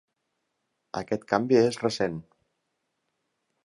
Aquest canvi és recent.